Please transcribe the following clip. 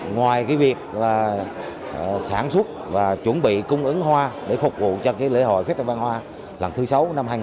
ngoài việc sản xuất và chuẩn bị cung ứng hoa để phục vụ cho lễ hội phép tăng văn hoa lần thứ sáu năm hai nghìn một mươi năm